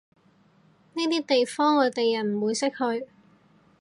呢啲地方外地人唔會識去